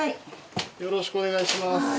よろしくお願いします。